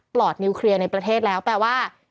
อดนิวเคลียร์ในประเทศแล้วแปลว่า